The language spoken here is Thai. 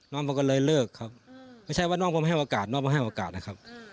น้องมันก็เลยเลิกครับไม่ใช่ว่าน้องผมไม่ให้โอกาสน้องมาให้โอกาสนะครับ